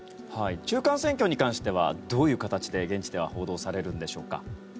中間選挙に関してはどういう形で現地では報道されるんでしょうか。